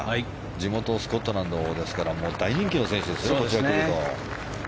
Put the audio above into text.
地元スコットランドですから大人気ですね。